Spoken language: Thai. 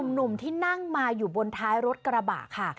หนุ่มที่นั่งมาอยู่บนท้ายรถกระบะค่ะ